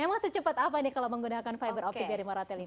emang secepat apa nih kalau menggunakan fiber optic dari moratelindo